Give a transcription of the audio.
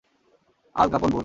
Al Capone booth.